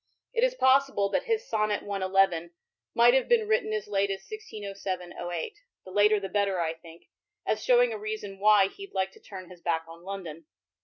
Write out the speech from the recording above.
It is possible that his Sonnet CXI. might have been written as late as 1607 8 ; the later the better, I think, as showing a reason why he 'd like to turn his back on London.